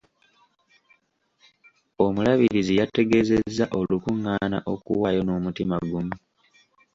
Omulabirizi yategezezza olukungaana okuwaayo n'omutima gumu.